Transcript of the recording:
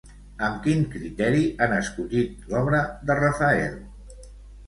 Amb quin criteri han escollit l'obra de Rafael?